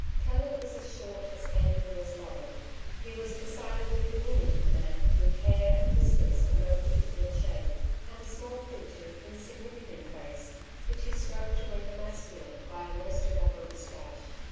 Caleb was as short as Andrew was long. He was a decidedly diminutive man, with hair and whiskers of no particular shade, and a small featured, insig nificant face, which he strove to render masculine by a most elaborate moustache.